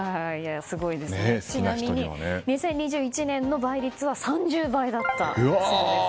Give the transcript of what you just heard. ちなみに２０２１年の倍率は３０倍だったそうです。